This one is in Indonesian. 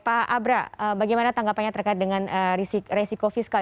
pak abra bagaimana tanggapannya terkait dengan resiko fiskal